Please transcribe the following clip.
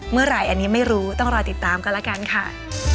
เมื่อไหร่อันนี้ไม่รู้ต้องรอติดตามกันแล้วกันค่ะ